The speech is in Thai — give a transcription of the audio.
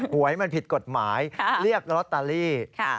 หวยมันผิดกฎหมายเรียกลอตเตอรี่